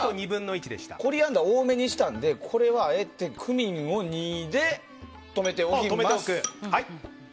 ただコリアンダー多めにしたのでこれは、あえてクミンを２で止めておきます。